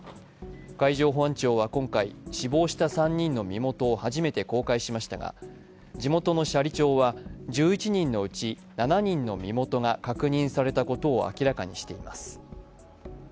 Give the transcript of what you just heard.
海上保安庁は今回、死亡した３人の身元を初めて公開しましたが地元の斜里町は１１人のうち７人の身元が確認されたことを明らかにしています。